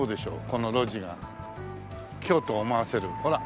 この路地が京都を思わせるほら。